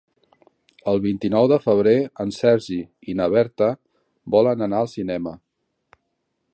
El vint-i-nou de febrer en Sergi i na Berta volen anar al cinema.